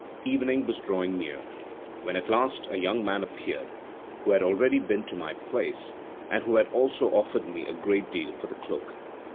Evening was drawing near, when at last a young man appeared, who had already been to my place, and who had also offered me a great deal for the cloak.